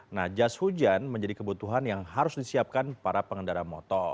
nah jas hujan menjadi kebutuhan yang harus disiapkan para pengendara motor